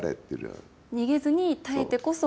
逃げずに耐えてこそ。